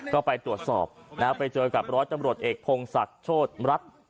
ก็ไปตรวจสอบนะฮะไปเจอกับร้อยตำรวจเอกพงศักดิ์โชธรัฐ